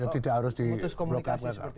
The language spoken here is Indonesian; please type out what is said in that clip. ya tidak harus di blokasikan